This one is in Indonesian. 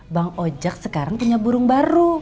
bang ojek sekarang punya burung baru